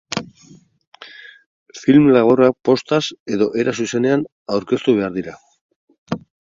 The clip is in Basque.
Film laburrak postaz edo era zuzenean aurkeztu behar dira.